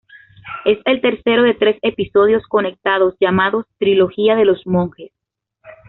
Es el tercero de tres episodios conectados llamados "Trilogía de los Monjes".